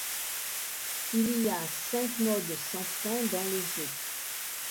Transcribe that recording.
Il y a cinq modes sans fin dans le jeu.